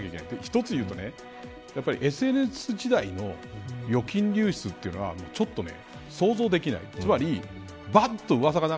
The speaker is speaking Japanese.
一つ言うと、ＳＮＳ時代の預金流出というのはちょっと想像できない。